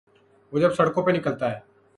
وہ جب سڑکوں پہ نکلتا ہے۔